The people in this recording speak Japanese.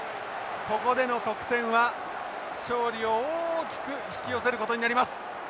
ここでの得点は勝利を大きく引き寄せることになります。